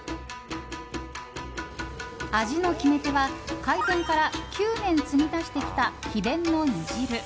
味の決め手は、開店から９年継ぎ足してきた秘伝の煮汁。